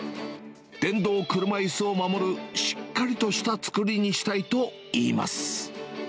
電動車いすを守る、しっかりとした作りにしたいといいます。